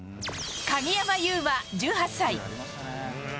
鍵山優真、１８歳。